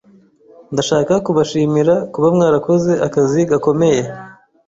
Ndashaka kubashimira kuba mwarakoze akazi gakomeye.